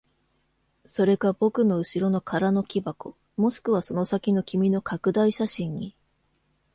それか僕の後ろの空の木箱、もしくはその先の君の拡大写真に。